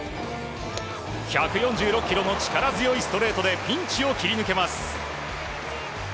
１４６キロの力強いストレートでピンチを切り抜けます。